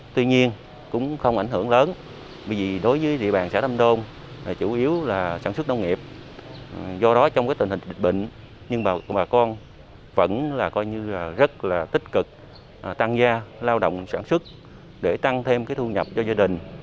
tích cực tăng gia lao động sản xuất để tăng thêm thu nhập cho gia đình